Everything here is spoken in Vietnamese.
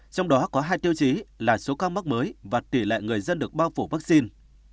trong đó có hai tiêu chí là số ca mắc mới và tỷ lệ người dân được bao phủ vaccine